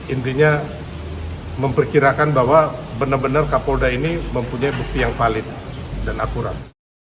intinya memperkirakan bahwa benar benar kapolda ini mempunyai bukti yang valid dan akurat